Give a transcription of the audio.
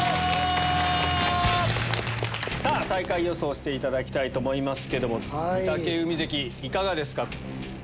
最下位予想していただきたいと思いますけども御嶽海関いかがですか？